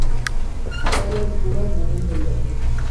কয়লার গুড়া মনে হল।